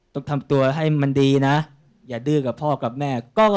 ต้องทำตัวให้มันดีนะ